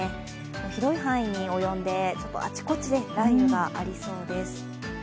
広い範囲に及んで、あちこちで雷雨がありそうです。